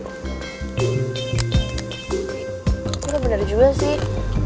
gue tuh bener juga sih